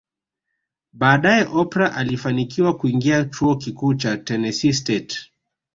Baadae Oprah alifanikiwa kuingia chuo kikuu cha Tenesse State